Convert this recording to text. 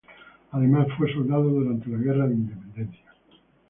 Además, fue soldado durante la Guerra de Independencia.